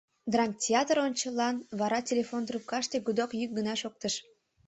Драмтеатр ончылан, — вара телефон трубкаште гудок йӱк гына шоктыш.